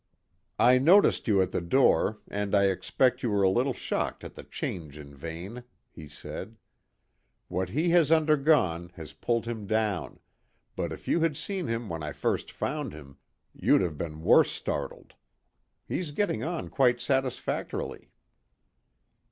"I noticed you at the door, and I expect you were a little shocked at the change in Vane," he said. "What he has undergone has pulled him down, but if you had seen him when I first found him, you'd have been worse startled. He's getting on quite satisfactorily."